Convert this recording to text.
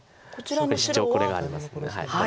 そのかわりシチョウこれがありますんで。